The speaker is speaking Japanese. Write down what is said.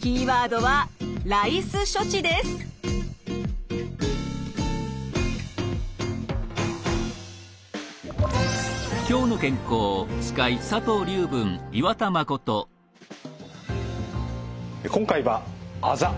キーワードは今回はあざ。